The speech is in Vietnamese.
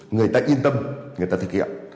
người ta yên tâm người ta thực hiện